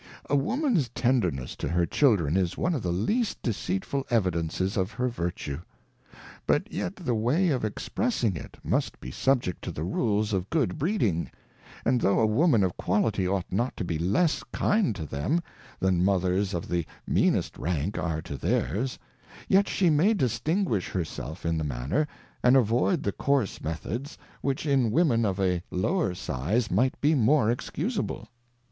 A Woman's tenderness to her Children is one of the least deceitful Evidences of her Vertue; but yet the way of express ; ing it, must be subject to the Rules of good Breeding:^ And though a Woman of Quality ought not to be less kind to them, than Mothers of the Meanest Rank are to theirs, yet she may distinguish her self in the manner, and avoid the coarse Methods, which in Women of a lower size might be more excusable.